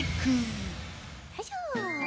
よいしょ。